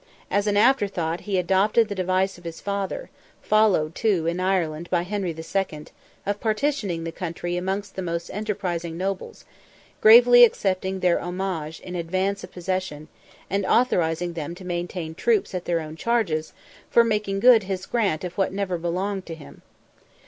As an after thought he adopted the device of his father, (followed, too, in Ireland by Henry II.,) of partitioning the country among the most enterprising nobles, gravely accepting their homage in advance of possession, and authorizing them to maintain troops at their own charges, for making good his grant of what never belonged to him.